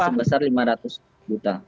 sebesar lima ratus juta